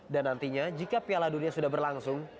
dan nantinya jika piala dunia sudah berlangsung